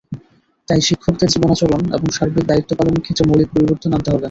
তাই শিক্ষকদের জীবনাচরণ এবং সার্বিক দায়িত্ব পালনের ক্ষেত্রে মৌলিক পরিবর্তন আনতে হবে।